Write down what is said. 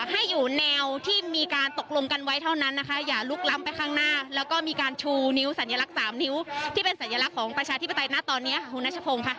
ให้อยู่แนวที่มีการตกลงกันไว้เท่านั้นนะคะอย่าลุกล้ำไปข้างหน้าแล้วก็มีการชูนิ้วสัญลักษณ์๓นิ้วที่เป็นสัญลักษณ์ของประชาธิปไตยณตอนนี้คุณนัชพงศ์ค่ะ